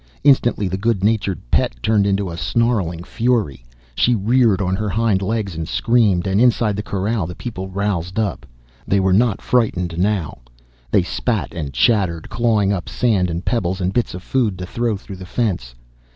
Instantly the good natured pet turned into a snarling fury. She reared on her hind legs and screamed, and inside the corral the people roused up. They were not frightened now. They spat and chattered, clawing up sand and pebbles and bits of food to throw through the fence.